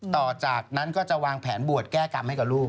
ต่อจากนั้นก็จะวางแผนบวชแก้กรรมให้กับลูก